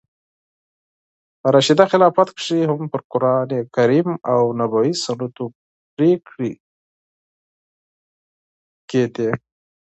په راشده خلافت کښي هم پر قرانکریم او نبوي سنتو پرېکړي کېدې.